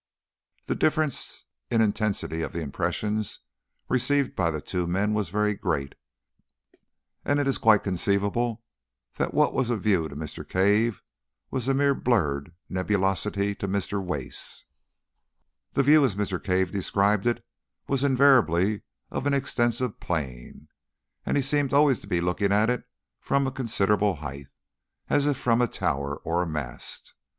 The difference in intensity of the impressions received by the two men was very great, and it is quite conceivable that what was a view to Mr. Cave was a mere blurred nebulosity to Mr. Wace. The view, as Mr. Cave described it, was invariably of an extensive plain, and he seemed always to be looking at it from a considerable height, as if from a tower or a mast.